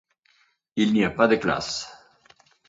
Il n'y a pas de classe.